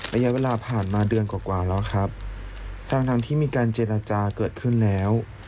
ระยะเวลาผ่านมาเดือนกว่ากว่าแล้วครับทั้งที่มีการเจรจาเกิดขึ้นแล้ว